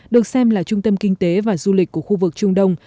được xem là trung tâm kinh tế và du lịch của khu vực trung đông